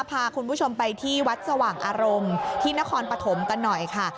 พาคุณผู้ชมไปที่วัดสว่างอารมณ์ที่นครปฐมกันหน่อยค่ะ